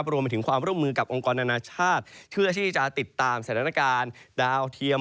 รวมไปถึงความร่วมมือกับองค์กรอนานาชาติเพื่อที่จะติดตามสถานการณ์ดาวเทียม